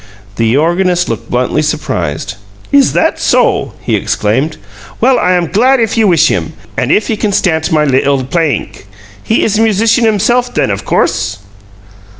The organist looked bluntly surprised. "Iss that SO?" he exclaimed. "Well, I am glad if you wish him, and if he can stant my liddle playink. He iss musician himself, then, of course."